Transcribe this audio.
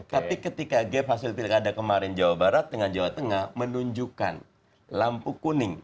tapi ketika gap hasil pilkada kemarin jawa barat dengan jawa tengah menunjukkan lampu kuning